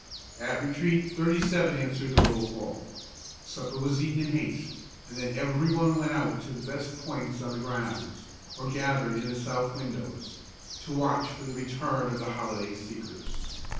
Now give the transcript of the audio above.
At retreat thirty seven answered the roll call. Supper was eaten in haste, and then every one went out to the best points on the grounds, or gathered in the south windows, to watch for the return of the holiday seekers.